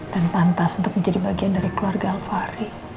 dan pantas untuk menjadi bagian dari keluarga alvary